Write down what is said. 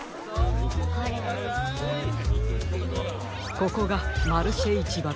ここがマルシェいちばです。